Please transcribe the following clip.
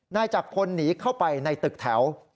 นายจักรคนหนีเข้าไปในตึกแถว